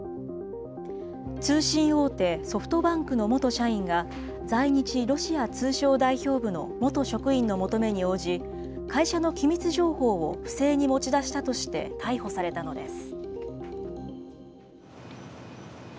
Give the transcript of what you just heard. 通信大手、ソフトバンクの元社員が、在日ロシア通商代表部の元職員の求めに応じ、会社の機密情報を不正に持ち出したとして逮捕されたのです。